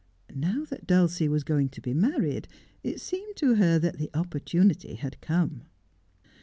Now that Dulcie was going to be married it seemed to .her that the opportunity had come.